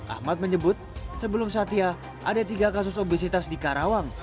ahmad menyebut sebelum satya ada tiga kasus obesitas di karawang